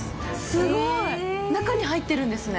すごい！中に入ってるんですね。